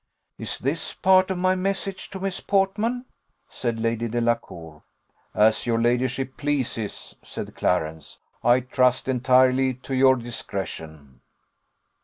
"Is this part of my message to Miss Portman?" said Lady Delacour. "As your ladyship pleases," said Clarence; "I trust entirely to your discretion."